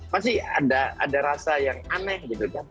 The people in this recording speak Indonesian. pasti ada ada rasa yang aneh gitu kan